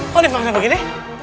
kok di panggilan begini